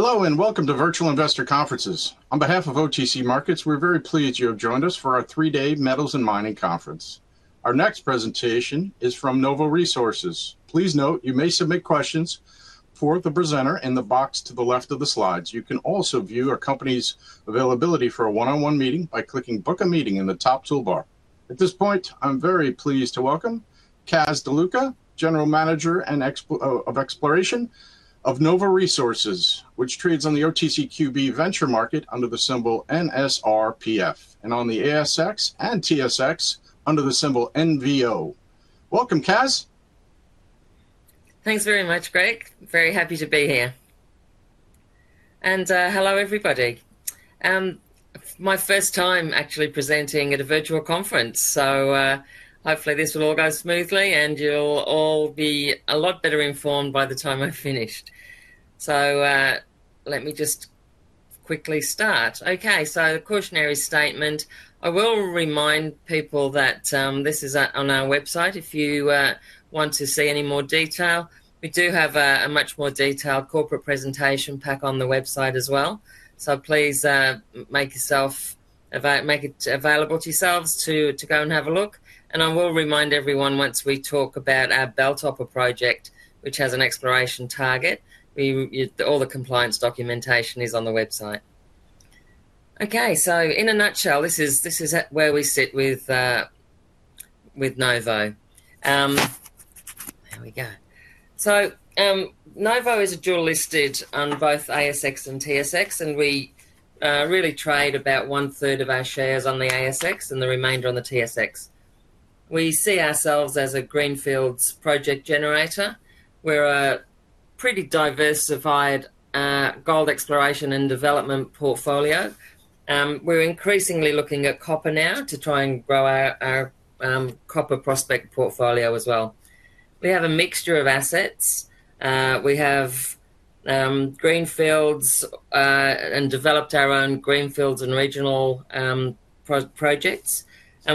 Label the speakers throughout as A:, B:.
A: Hello and welcome to Virtual Investor Conferences. On behalf of OTC Markets, we're very pleased you have joined us for our three-day metals and mining conference. Our next presentation is from Novo Resources. Please note you may submit questions for the presenter in the box to the left of the slides. You can also view a company's availability for a one-on-one meeting by clicking "Book a Meeting" in the top toolbar. At this point, I'm very pleased to welcome Kas De Luca, General Manager of Exploration of Novo Resources, which trades on the OTCQB Venture Market under the symbol NSRPF, and on the ASX and TSX under the symbol NVO. Welcome, Kas.
B: Thanks very much, Greg. Very happy to be here. Hello, everybody. My first time actually presenting at a virtual conference. Hopefully, this will all go smoothly and you'll all be a lot better informed by the time I've finished. Let me just quickly start. Okay, cautionary statement. I will remind people that this is on our website. If you want to see any more detail, we do have a much more detailed corporate presentation pack on the website as well. Please make yourself available to yourselves to go and have a look. I will remind everyone, once we talk about our Belltopper Project, which has an exploration target, all the compliance documentation is on the website. Okay, in a nutshell, this is where we sit with Novo. There we go. Novo is dual-listed on both ASX and TSX, and we really trade about one-third of our shares on the ASX and the remainder on the TSX. We see ourselves as a greenfields project generator. We're a pretty diversified gold exploration and development portfolio. We're increasingly looking at copper now to try and grow our copper prospect portfolio as well. We have a mixture of assets. We have greenfields and developed our own greenfields and regional projects.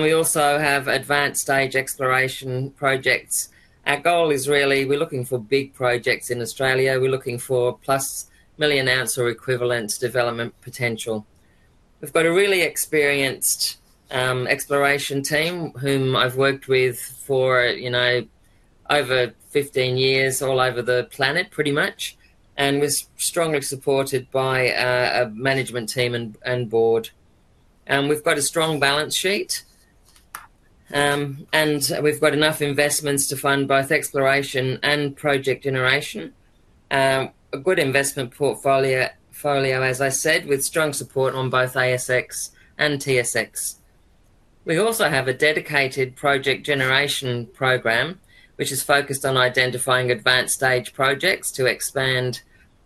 B: We also have advanced stage exploration projects. Our goal is really, we're looking for big projects in Australia. We're looking for plus million-ounce or equivalent development potential. We've got a really experienced exploration team whom I've worked with for over 15 years, all over the planet, pretty much, and we're strongly supported by a management team and board. We've got a strong balance sheet. We've got enough investments to fund both exploration and project generation. A good investment portfolio, as I said, with strong support on both ASX and TSX. We also have a dedicated project generation program, which is focused on identifying advanced stage projects to expand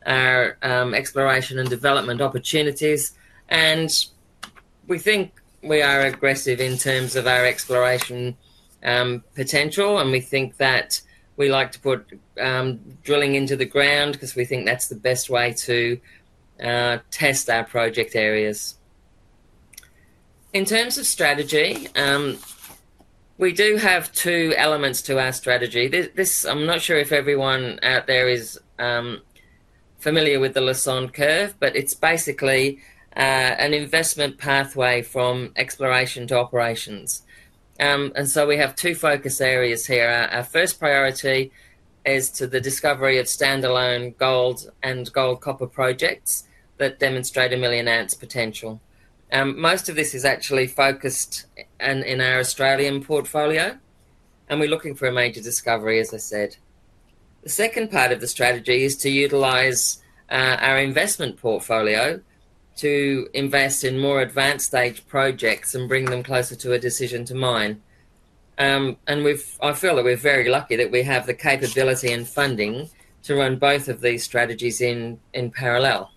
B: our exploration and development opportunities. We think we are aggressive in terms of our exploration potential. We think that we like to put drilling into the ground because we think that's the best way to test our project areas. In terms of strategy, we do have two elements to our strategy. I'm not sure if everyone out there is familiar with the Lassonde Curve, but it's basically an investment pathway from exploration to operations. We have two focus areas here. Our first priority is to the discovery of standalone gold and gold-copper projects that demonstrate a million-ounce potential. Most of this is actually focused in our Australian portfolio. We're looking for a major discovery, as I said. The second part of the strategy is to utilize our investment portfolio to invest in more advanced stage projects and bring them closer to a decision to mine. I feel that we're very lucky that we have the capability and funding to run both of these strategies in parallel.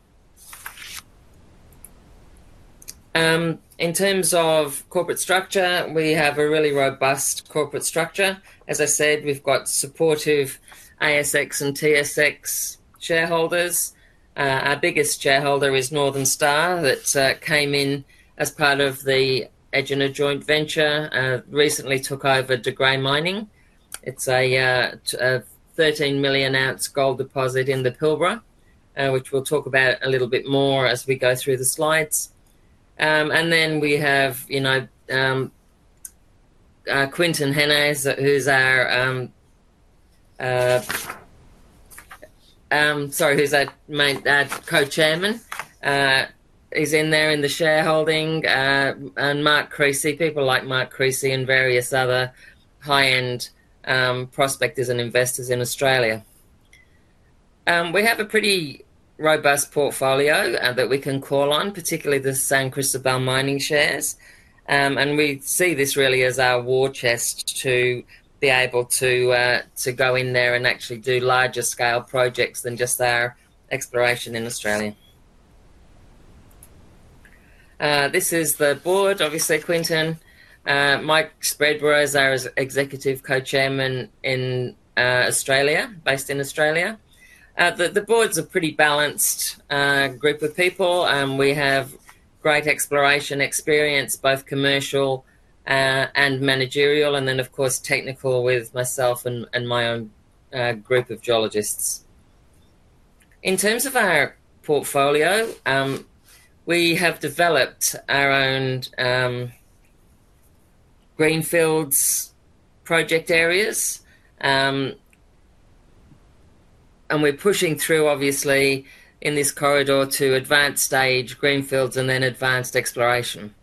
B: In terms of corporate structure, we have a really robust corporate structure. We've got supportive ASX and TSX shareholders. Our biggest shareholder is Northern Star that came in as part of the Egina joint venture, recently took over De Grey Mining. It's a 13 million-ounce gold deposit in the Pilbara, which we'll talk about a little bit more as we go through the slides. We have, you know, Quinton Hennigh, who's our Co-Chairman. He's in there in the shareholding. Mark Creasy, people like Mark Creasy and various other high-end prospectors and investors in Australia. We have a pretty robust portfolio that we can call on, particularly the San Cristobal mining shares. We see this really as our war chest to be able to go in there and actually do larger scale projects than just our exploration in Australia. This is the board, obviously, Quinton. Michael Spreadborough is our Executive Co-Chairman in Australia, based in Australia. The board's a pretty balanced group of people. We have great exploration experience, both commercial and managerial, and then, of course, technical with myself and my own group of geologists. In terms of our portfolio, we have developed our own greenfields project areas. We're pushing through, obviously, in this corridor to advanced stage greenfields and then advanced exploration.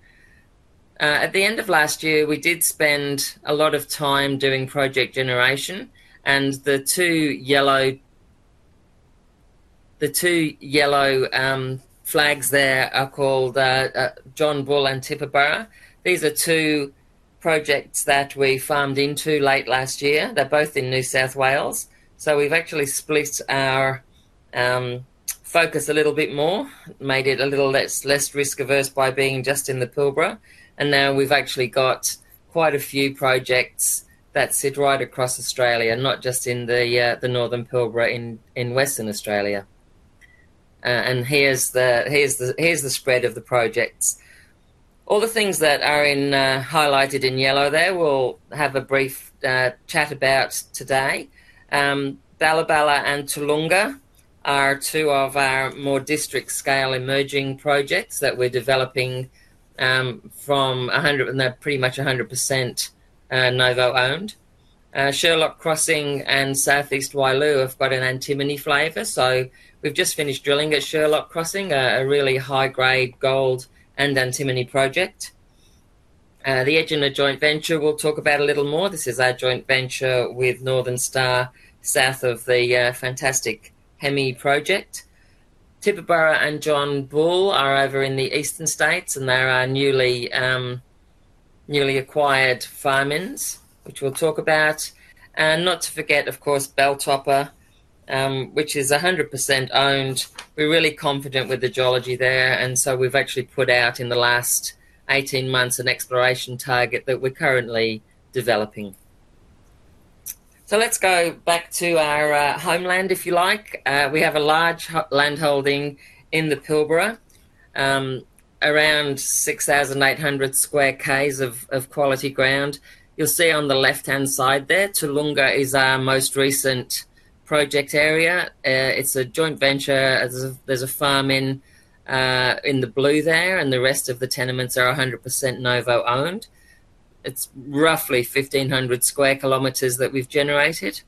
B: At the end of last year, we did spend a lot of time doing project generation. The two yellow flags there are called John Bull and Tibooburra. These are two projects that we farmed into late last year. They're both in New South Wales. We've actually split our focus a little bit more, made it a little less risk-averse by being just in the Pilbara. Now we've actually got quite a few projects that sit right across Australia, not just in the northern Pilbara in Western Australia. Here's the spread of the projects. All the things that are highlighted in yellow there we'll have a brief chat about today. Balabala and Toolunga are two of our more district-scale emerging projects that we're developing from 100, and they're pretty much 100% Novo owned. Sherlock Crossing and Southeast Wyloo have got an antimony flavor. We've just finished drilling at Sherlock Crossing, a really high-grade gold and antimony project. The Egina joint venture we'll talk about a little more. This is our joint venture with Northern Star, south of the fantastic Hemi project. Tibooburra and John Bull are over in the Eastern States, and they're our newly acquired farm-ins, which we'll talk about. Not to forget, of course, Belltopper, which is 100% owned. We're really confident with the geology there. We've actually put out in the last 18 months an exploration target that we're currently developing. Let's go back to our homeland, if you like. We have a large landholding in the Pilbara, around 6,800 sq km of quality ground. You'll see on the left-hand side there, Toolunga is our most recent project area. It's a joint venture. There's a farm-in in the blue there, and the rest of the tenements are 100% Novo owned. It's roughly 1,500 sq km that we've generated.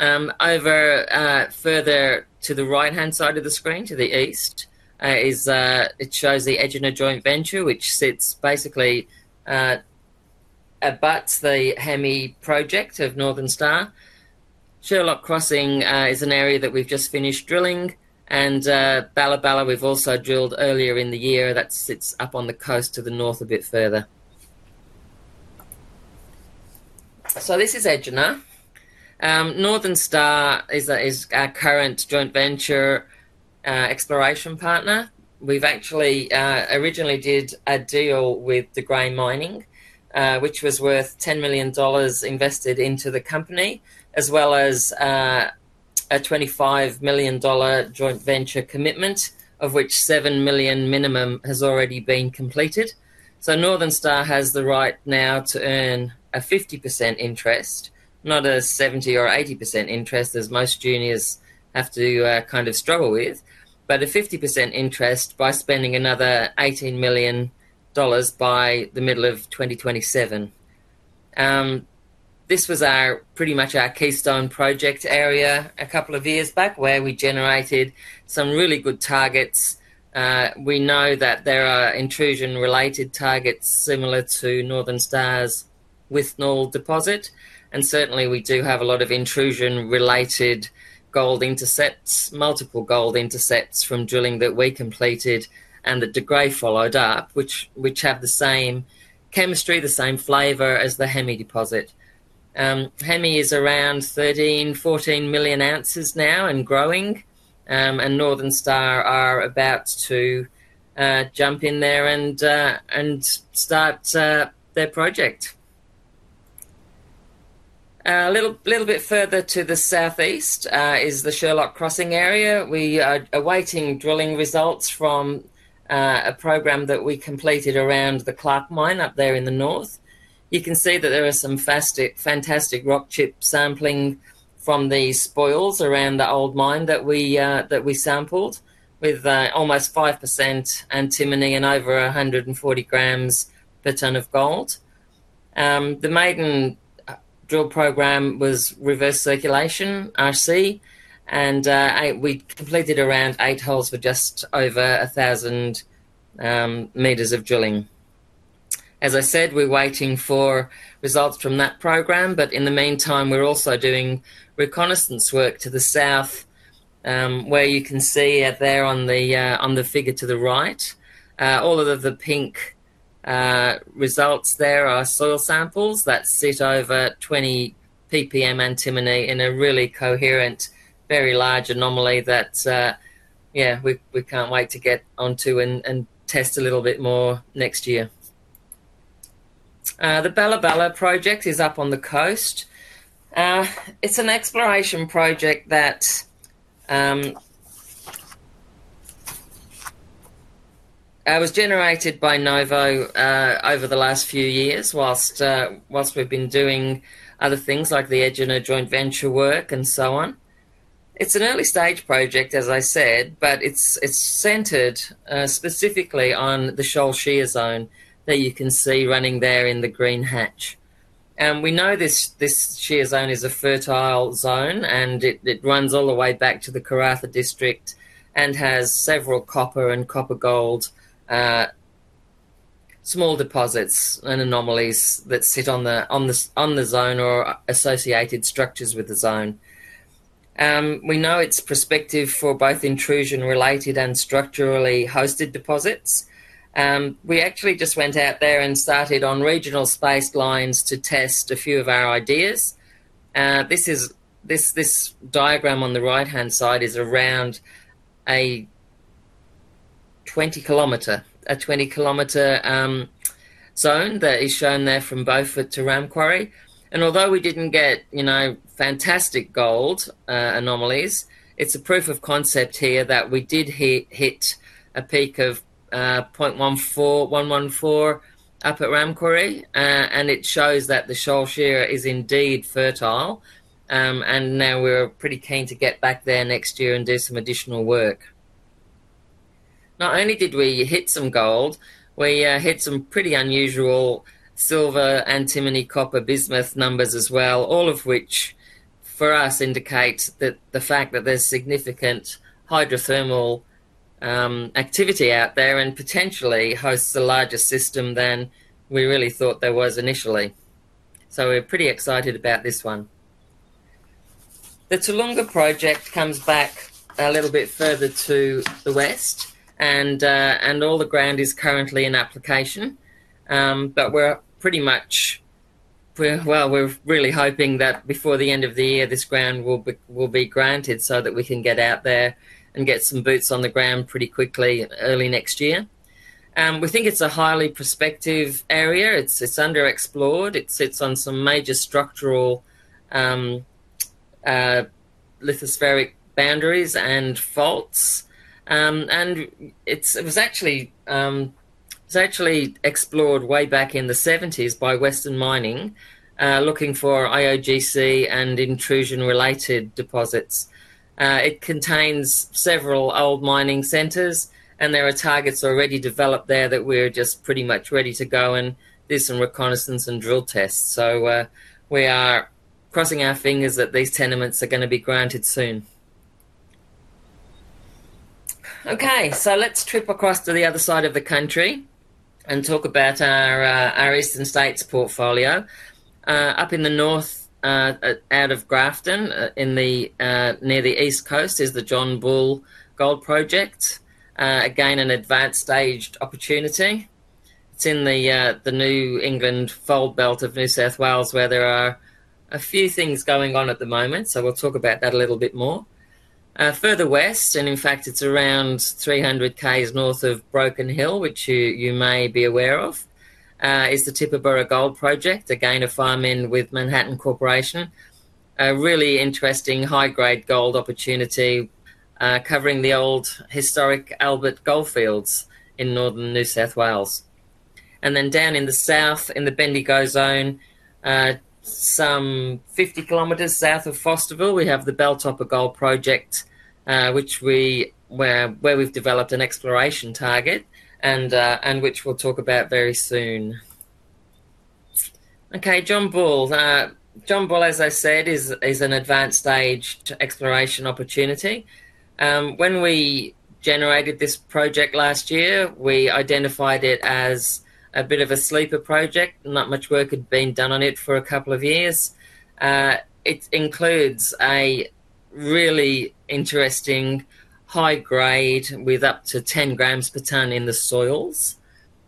B: Over further to the right-hand side of the screen, to the east, it shows the Egina joint venture, which basically abuts the Hemi project of Northern Star. Sherlock Crossing is an area that we've just finished drilling. Balabala, we've also drilled earlier in the year. That sits up on the coast to the north a bit further. This is Egina. Northern Star is our current joint venture exploration partner. We actually originally did a deal with De Grey Mining, which was worth $10 million invested into the company, as well as a $25 million joint venture commitment, of which $7 million minimum has already been completed. Northern Star has the right now to earn a 50% interest, not a 70% or 80% interest, as most juniors have to kind of struggle with, but a 50% interest by spending another $18 million by the middle of 2027. This was pretty much our keystone project area a couple of years back, where we generated some really good targets. We know that there are intrusion-related targets similar to Northern Star's Withnell deposit. We do have a lot of intrusion-related gold intercepts, multiple gold intercepts from drilling that we completed, and that De Grey followed up, which have the same chemistry, the same flavor as the Hemi deposit. Hemi is around 13 million oz, 14 million oz now and growing. Northern Star are about to jump in there and start their project. A little bit further to the southeast is the Sherlock Crossing area. We are awaiting drilling results from a program that we completed around the Clark Mine up there in the north. You can see that there are some fantastic rock chip sampling from the spoils around the old mine that we sampled with almost 5% antimony and over 140 g/t of gold. The maiden drill program was reverse circulation, RC, and we completed around eight holes with just over 1,000 m of drilling. As I said, we're waiting for results from that program. In the meantime, we're also doing reconnaissance work to the south, where you can see there on the figure to the right. All of the pink results there are soil samples that sit over 20 ppm antimony in a really coherent, very large anomaly that, yeah, we can't wait to get onto and test a little bit more next year. The Balabala project is up on the coast. It's an exploration project that was generated by Novo over the last few years, whilst we've been doing other things like the Egina joint venture work and so on. It's an early stage project, as I said, but it's centered specifically on the Sholl Shear Zone that you can see running there in the green hatch. We know this Shear zone is a fertile zone, and it runs all the way back to the Karratha district and has several copper and copper gold small deposits and anomalies that sit on the zone or associated structures with the zone. We know it's prospective for both intrusion-related and structurally hosted deposits. We actually just went out there and started on regional space lines to test a few of our ideas. This diagram on the right-hand side is around a 20 km zone that is shown there from Beaufort to Ramquarry. Although we didn't get, you know, fantastic gold anomalies, it's a proof of concept here that we did hit a peak of 0.114 up at Ramquarry. It shows that the Sholl Shear is indeed fertile. Now we're pretty keen to get back there next year and do some additional work. Not only did we hit some gold, we hit some pretty unusual silver, antimony, copper, bismuth numbers as well, all of which for us indicate the fact that there's significant hydrothermal activity out there and potentially hosts a larger system than we really thought there was initially. We're pretty excited about this one. The Toolunga Project comes back a little bit further to the west, and all the ground is currently in application. We're really hoping that before the end of the year, this ground will be granted so that we can get out there and get some boots on the ground pretty quickly early next year. We think it's a highly prospective area. It's underexplored. It sits on some major structural lithospheric boundaries and faults. It was actually explored way back in the 1970s by Western Mining, looking for IOCG and intrusion-related deposits. It contains several old mining centers, and there are targets already developed there that we're just pretty much ready to go and do some reconnaissance and drill tests. We are crossing our fingers that these tenements are going to be granted soon. Okay, let's trip across to the other side of the country and talk about our Eastern States portfolio. Up in the north, out of Grafton, near the east coast, is the John Bull Gold Project. Again, an advanced-stage opportunity. It's in the New England Fold Belt of New South Wales where there are a few things going on at the moment. We'll talk about that a little bit more. Further west, and in fact, it's around 300 km north of Broken Hill, which you may be aware of, is the Tibooburra Gold Project, again a farm-in with Manhattan Corporation. A really interesting high-grade gold opportunity covering the old historic Albert Goldfields in northern New South Wales. Down in the south, in the Bendigo zone, some 50 km south of Fosterville, we have the Belltopper Gold Project, which we've developed an exploration target and which we'll talk about very soon. John Bull, as I said, is an advanced-stage exploration opportunity. When we generated this project last year, we identified it as a bit of a sleeper project. Not much work had been done on it for a couple of years. It includes a really interesting high-grade with up to 10 g/t in the soils,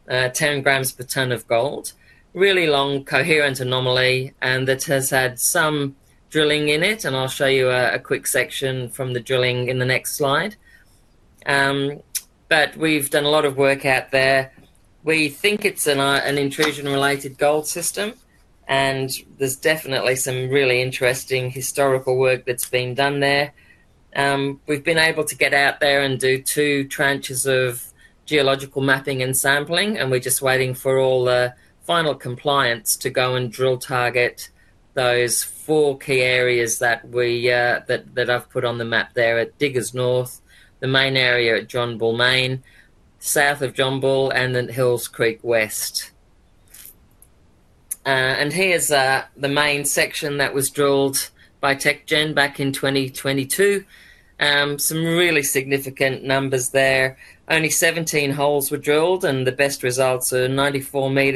B: 10 g/t of gold, really long coherent anomaly that has had some drilling in it. I'll show you a quick section from the drilling in the next slide. We've done a lot of work out there. We think it's an intrusion-related gold system. There's definitely some really interesting historical work that's been done there. We've been able to get out there and do two tranches of geological mapping and sampling. We're just waiting for all the final compliance to go and drill target those four key areas that I've put on the map there at Diggers North, the main area at John Bull Main, south of John Bull, and then Hills Creek West. Here's the main section that was drilled by TechGen back in 2022. Some really significant numbers there. Only 17 holes were drilled, and the best results are 94 m at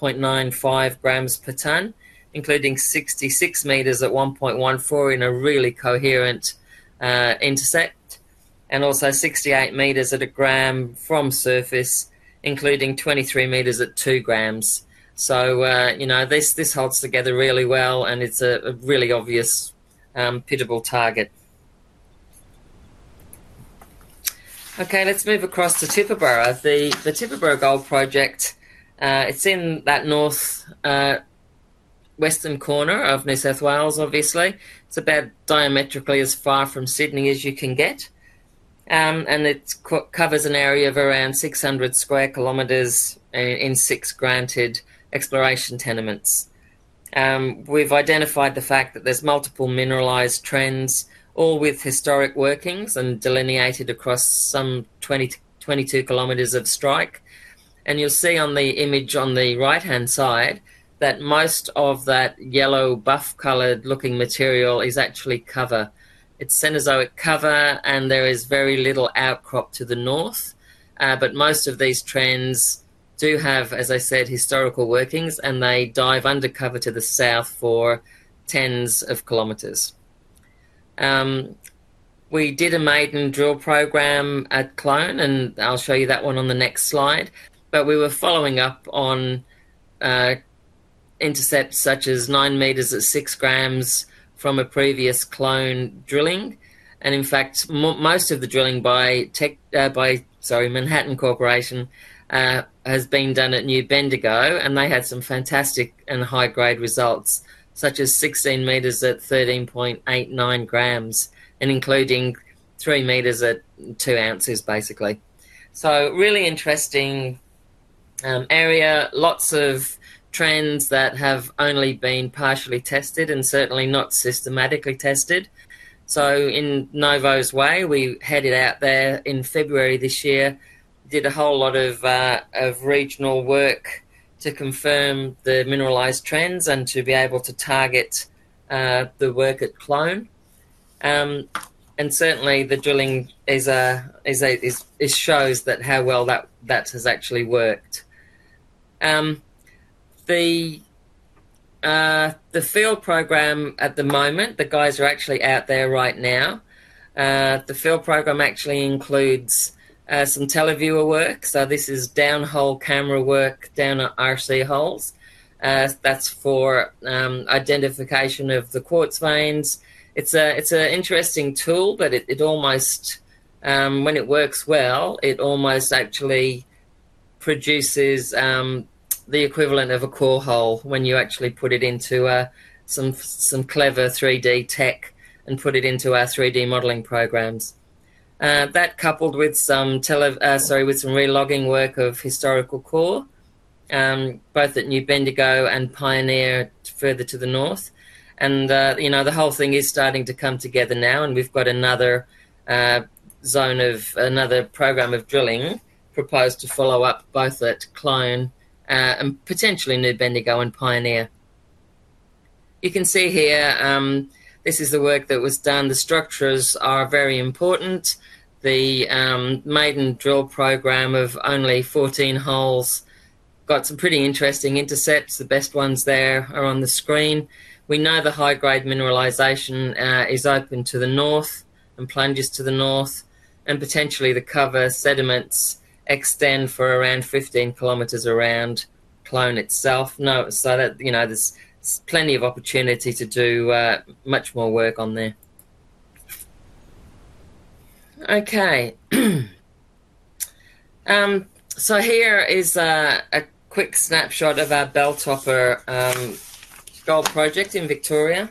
B: 0.95 g/t, including 66 m at 1.14 g in a really coherent intercept, and also 68 m at a gram from surface, including 23 m at 2 g. This holds together really well, and it's a really obvious pittable target. Let's move across to Tibooburra. The Tibooburra Gold Project, it's in that northwestern corner of New South Wales, obviously. It's about diametrically as far from Sydney as you can get. It covers an area of around 600 sq km in six granted exploration tenements. We've identified the fact that there's multiple mineralized trends, all with historic workings and delineated across some 22 km of strike. You'll see on the image on the right-hand side that most of that yellow buff-colored looking material is actually cover. It's centerzodic cover, and there is very little outcrop to the north. Most of these trends do have, as I said, historical workings, and they dive undercover to the south for tens of kilometers. We did a maiden drill program at Clone, and I'll show you that one on the next slide. We were following up on intercepts such as 9 m at 6 g from a previous Clone drilling. In fact, most of the drilling by Manhattan Corporation has been done at New Bendigo, and they had some fantastic and high-grade results, such as 16 m at 13.89 g and including 3 m at 2 oz, basically. Really interesting area, lots of trends that have only been partially tested and certainly not systematically tested. In Novo's way, we headed out there in February this year, did a whole lot of regional work to confirm the mineralized trends and to be able to target the work at Clone. Certainly, the drilling shows how well that has actually worked. The field program at the moment, the guys are actually out there right now. The field program actually includes some televiewer work. This is downhole camera work down at RC holes. That's for identification of the quartz veins. It's an interesting tool, but it almost, when it works well, it almost actually produces the equivalent of a core hole when you actually put it into some clever 3D tech and put it into our 3D modeling programs. That, coupled with some relogging work of historical core, both at New Bendigo and Pioneer further to the north. The whole thing is starting to come together now. We've got another zone of another program of drilling proposed to follow up both at Clone and potentially New Bendigo and Pioneer. You can see here, this is the work that was done. The structures are very important. The maiden drill program of only 14 holes got some pretty interesting intercepts. The best ones there are on the screen. We know the high-grade mineralization is open to the north and plunges to the north. Potentially, the cover sediments extend for around 15 km around Clone itself. There's plenty of opportunity to do much more work on there. Here is a quick snapshot of our Belltopper Gold Project in Victoria.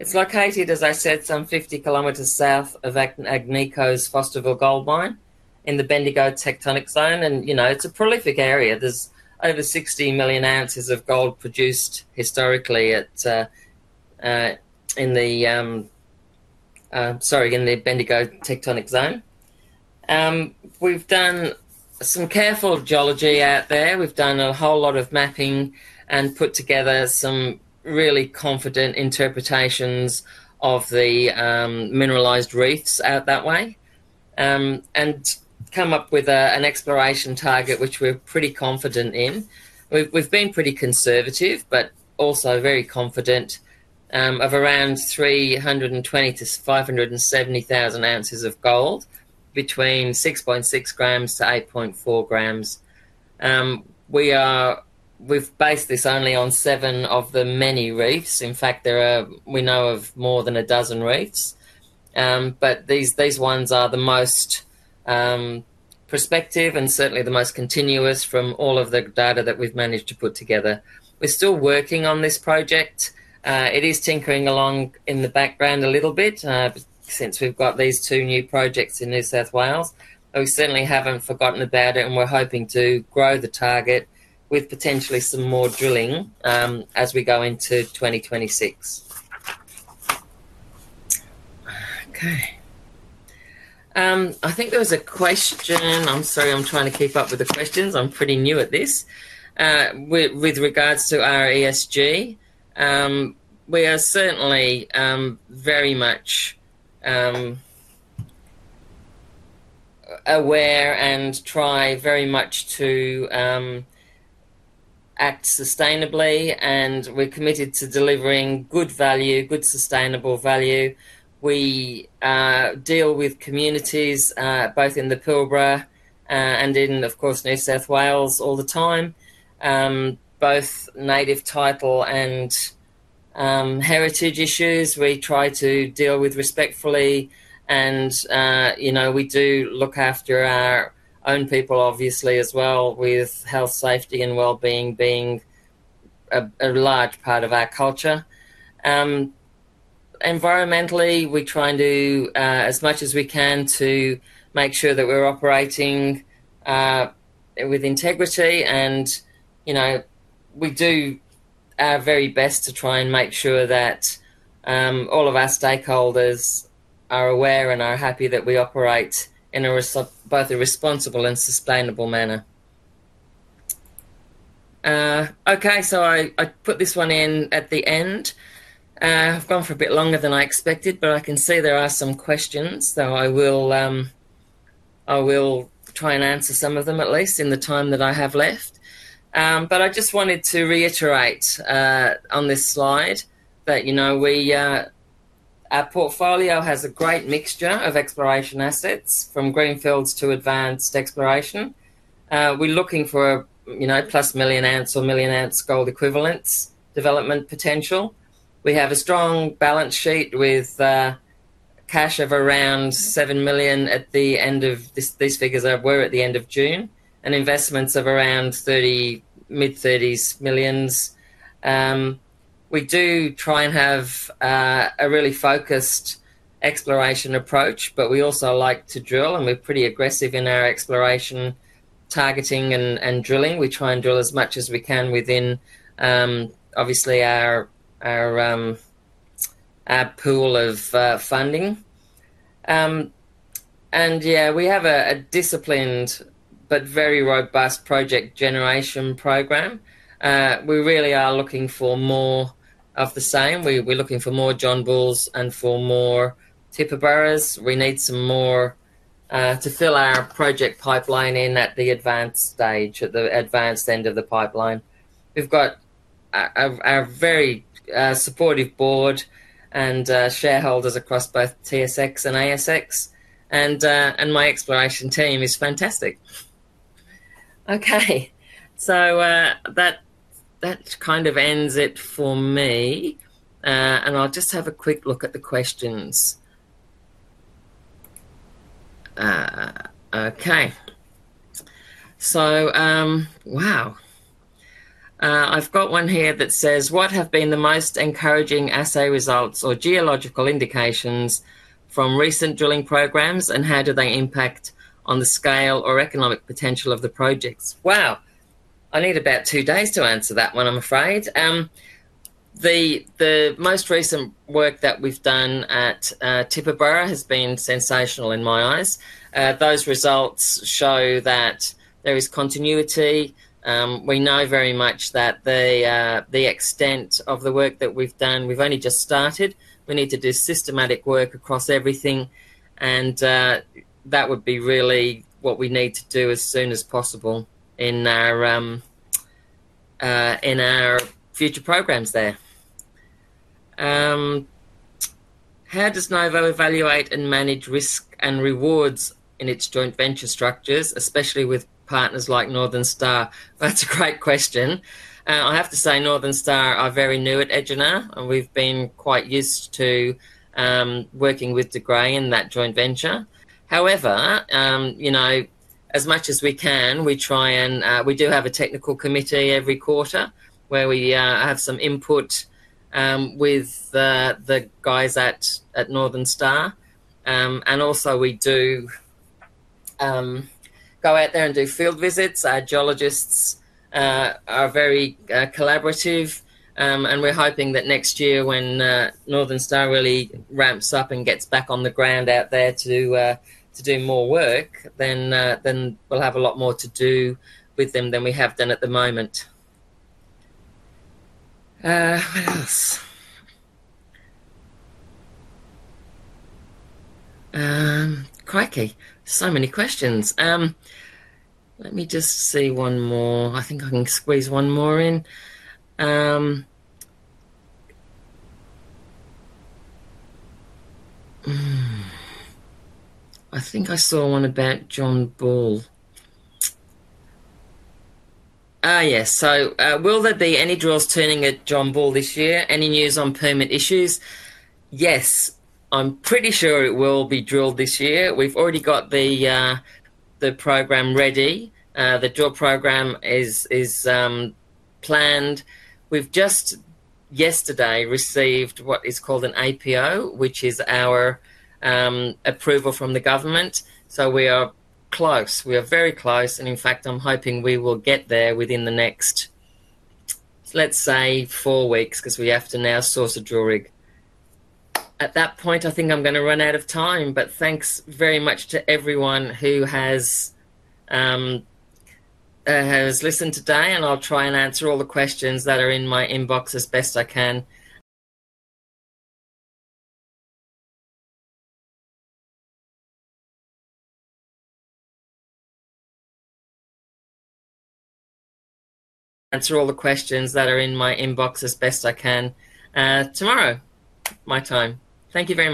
B: It's located, as I said, some 50 km south of Agnico Eagle's Fosterville Gold Mine in the Bendigo tectonic zone. It's a prolific area. There's over 60 million oz of gold produced historically in the Bendigo tectonic zone. We've done some careful geology out there. We've done a whole lot of mapping and put together some really confident interpretations of the mineralized reefs out that way and come up with an exploration target, which we're pretty confident in. We've been pretty conservative, but also very confident of around 320,000 oz-570,000 oz of gold between 6.6 g-8.4 g. We've based this only on seven of the many reefs. In fact, we know of more than a dozen reefs, but these ones are the most prospective and certainly the most continuous from all of the data that we've managed to put together. We're still working on this project. It is tinkering along in the background a little bit, but since we've got these two new projects in New South Wales, we certainly haven't forgotten about it. We're hoping to grow the target with potentially some more drilling as we go into 2026. I think there was a question. I'm sorry, I'm trying to keep up with the questions. I'm pretty new at this. With regards to our ESG, we are certainly very much aware and try very much to act sustainably. We're committed to delivering good value, good sustainable value. We deal with communities both in the Pilbara and in, of course, New South Wales all the time. Both native title and heritage issues, we try to deal with respectfully. We do look after our own people, obviously, as well, with health, safety, and well-being being a large part of our culture. Environmentally, we're trying to, as much as we can, make sure that we're operating with integrity. We do our very best to try and make sure that all of our stakeholders are aware and are happy that we operate in both a responsible and sustainable manner. Okay, I put this one in at the end. I've gone for a bit longer than I expected, but I can see there are some questions. I will try and answer some of them, at least in the time that I have left. I just wanted to reiterate on this slide that our portfolio has a great mixture of exploration assets from greenfields to advanced exploration. We're looking for a plus million ounce or million ounce gold equivalents development potential. We have a strong balance sheet with cash of around $7 million at the end of these figures were at the end of June, and investments of around mid-$30 million. We do try and have a really focused exploration approach, but we also like to drill, and we're pretty aggressive in our exploration targeting and drilling. We try and drill as much as we can within, obviously, our pool of funding. We have a disciplined but very robust project generation program. We really are looking for more of the same. We're looking for more John Bulls and for more Tibooburras. We need some more to fill our project pipeline in at the advanced stage, at the advanced end of the pipeline. We've got a very supportive board and shareholders across both TSX and ASX. My exploration team is fantastic. Okay, that kind of ends it for me. I'll just have a quick look at the questions. Okay. Wow, I've got one here that says, "What have been the most encouraging assay results or geological indications from recent drilling programs, and how do they impact on the scale or economic potential of the projects?" I need about two days to answer that one, I'm afraid. The most recent work that we've done at Tibooburra has been sensational in my eyes. Those results show that there is continuity. We know very much that the extent of the work that we've done, we've only just started. We need to do systematic work across everything. That would be really what we need to do as soon as possible in our future programs there. "How does Novo evaluate and manage risk and rewards in its joint venture structures, especially with partners like Northern Star?" That's a great question. I have to say Northern Star are very new at Egina, and we've been quite used to working with De Grey in that joint venture. However, as much as we can, we try and we do have a technical committee every quarter where we have some input with the guys at Northern Star. Also, we do go out there and do field visits. Our geologists are very collaborative. We're hoping that next year, when Northern Star really ramps up and gets back on the ground out there to do more work, then we'll have a lot more to do with them than we have done at the moment. What else? Crikey. So many questions. Let me just see one more. I think I can squeeze one more in. I think I saw one about John Bull. Yes. "So will there be any drills turning at John Bull this year? Any news on permit issues?" Yes, I'm pretty sure it will be drilled this year. We've already got the program ready. The drill program is planned. We've just yesterday received what is called an APO, which is our approval from the government. We are close. We are very close. In fact, I'm hoping we will get there within the next, let's say, four weeks because we have to now source a drill rig. At that point, I think I'm going to run out of time. Thanks very much to everyone who has listened today. I'll try and answer all the questions that are in my inbox as best I can. Tomorrow, my time. Thank you very much.